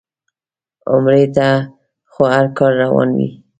عمرې ته خو هر کال روان وي.